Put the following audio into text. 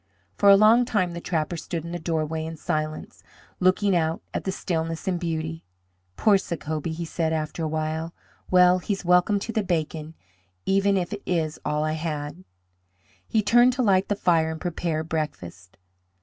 For a long time the trapper stood in the doorway in silence, looking out at the stillness and beauty. "Poor Sacobie!" he said, after a while. "Well, he's welcome to the bacon, even if it is all I had." He turned to light the fire and prepare breakfast.